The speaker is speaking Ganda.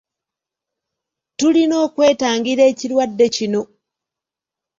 Tulina okwetangira ekirwadde kino.